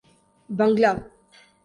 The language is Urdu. بنگلہ